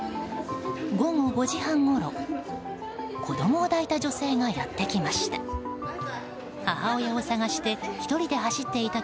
午後５時半ごろ子供を抱いた女性がやってきました。